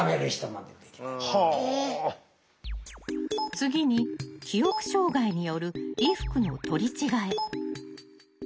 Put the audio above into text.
次に記憶障害による衣服の取り違え。